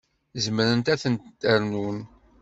Zemrent ad ten-rnunt.